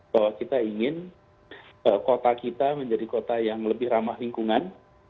bahwa kita ingin kota kita menjadi kota yang lebih ramah lingkungan